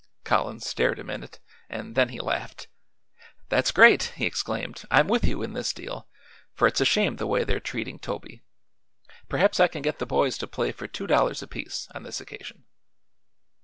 Collins stared a minute, and then he laughed. "That's great!" he exclaimed. "I'm with you in this deal, for it's a shame the way they're treating Toby. Perhaps I can get the boys to play for two dollars apiece, on this occasion."